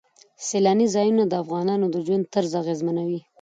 سیلاني ځایونه د افغانانو د ژوند طرز اغېزمنوي.